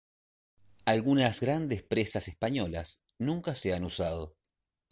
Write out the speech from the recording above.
Algunas grandes presas españolas nunca se han usado.